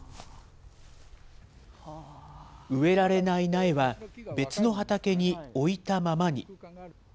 植えられない苗は、別の畑に置いたままに。